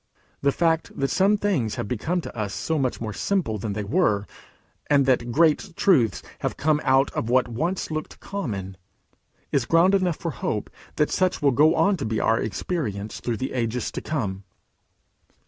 The fact that some things have become to us so much more simple than they were, and that great truths have come out of what once looked common, is ground enough for hope that such will go on to be our experience through the ages to come.